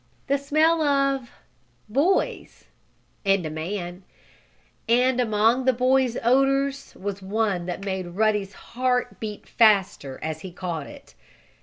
The smell of boys and a man. And among the boys' odors was one that made Ruddy's heart beat faster as he caught it.